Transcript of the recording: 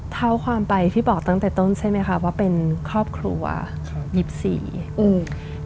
เท่าความไปพี่บอกตั้งแต่ต้นใช่ไหมคะว่าเป็นครอบครัวครับยิบสี่อืม